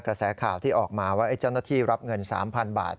กระแสข่าวที่ออกมาว่าเจ้าหน้าที่รับเงิน๓๐๐๐บาท